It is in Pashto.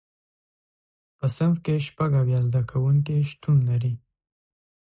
په صنف کې شپږ اویا زده کوونکي شتون لري.